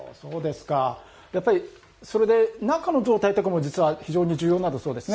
やっぱりそれで中の状態とかも実は非常に重要なんだそうですね。